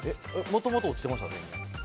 もともと落ちてました？